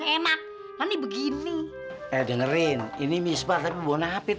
enak begini dengerin ini misbar tapi mau napit